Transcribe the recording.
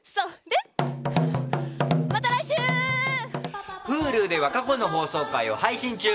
Ｈｕｌｕでは過去の放送回を配信中。